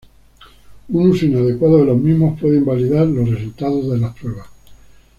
Un uso inadecuado de los mismos puede invalidar los resultados de las pruebas.